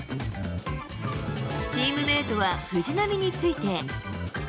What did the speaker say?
チームメートは藤浪について。